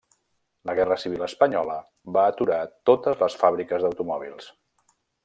La guerra civil espanyola va aturar totes les fàbriques d'automòbils.